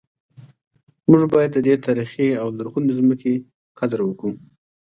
موږ باید د دې تاریخي او لرغونې ځمکې قدر وکړو